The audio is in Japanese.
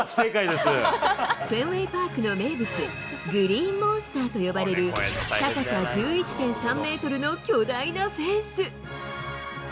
フェンウェイパークの名物、グリーンモンスターと呼ばれる、高さ１１．３メートルの巨大なフェンス。